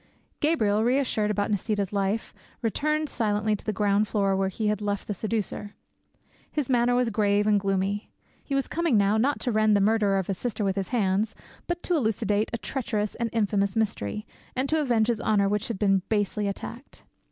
Gabriel, reassured about Nisida's life, returned silently to the ground floor where he had left the seducer. His manner was grave and gloomy; he was coming now not to rend the murderer of his sister with his hands, but to elucidate a treacherous and infamous mystery, and to avenge his honour which had been basely attacked.